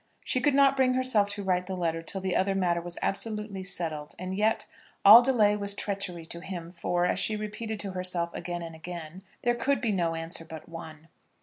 She could not bring herself to write the letter till the other matter was absolutely settled; and yet, all delay was treachery to him; for, as she repeated to herself again and again, there could be no answer but one.